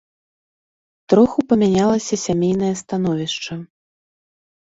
Троху памянялася сямейнае становішча.